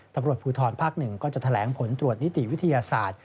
ตำรวจภูทรภาค๑ก็จะแถลงผลตรวจนิติวิทยาศาสตร์